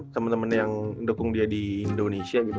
temen temen yang dukung dia di indonesia gitu